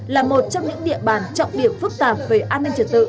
là một trong những địa bàn trọng điểm phức tạp về an ninh trật tự